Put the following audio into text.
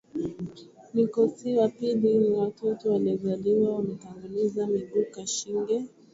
mikosiwa pili ni watoto waliozaliwa wametanguliza miguuKashinje au kashindye Mtoto akitanguliza miguu